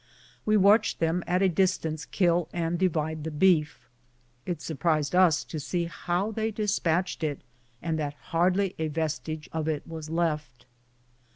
We watched them at a distance kill and divide the beef. It surprised us to see how they despatched it, and that hardly a vestige of it was left.